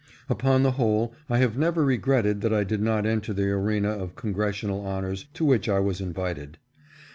Upon the whole I have never regretted that I did not enter the arena of Congressional honors to which I was invited.